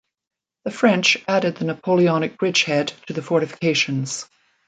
The French added the Napoleonic bridge head to the fortifications.